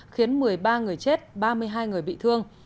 khiến một mươi ba người chết ba mươi hai người bị thương